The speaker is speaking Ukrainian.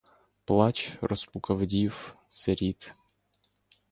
Плач, розпука вдів, сиріт.